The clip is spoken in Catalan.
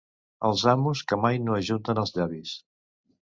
Els amos que mai no ajunten els llavis.